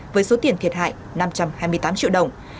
với số tiền thiệt hại năm trăm hai mươi tám triệu đồng